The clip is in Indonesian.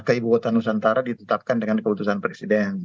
ke ibu kota nusantara ditetapkan dengan keputusan presiden